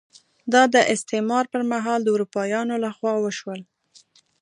دا د استعمار پر مهال د اروپایانو لخوا وشول.